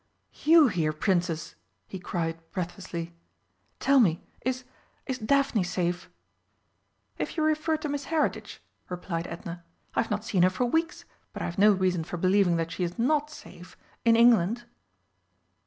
"You here, Princess!" he cried breathlessly, "Tell me! Is is Daphne safe?" "If you refer to Miss Heritage," replied Edna, "I have not seen her for weeks, but I have no reason for believing that she is not safe in England."